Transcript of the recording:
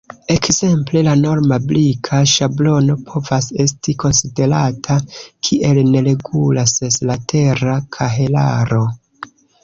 Ekzemple, la norma brika ŝablono povas esti konsiderata kiel neregula seslatera kahelaro.